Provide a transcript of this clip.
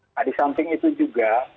nah di samping itu juga